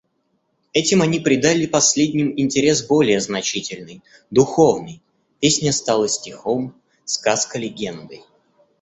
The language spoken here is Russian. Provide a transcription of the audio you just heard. Этим они придали последним интерес более значительный, духовный; песня стала стихом, сказка легендой.